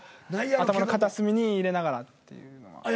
頭の片隅に入れながらっていうのは。